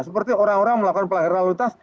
seperti orang orang melakukan pelayaran lalu lintas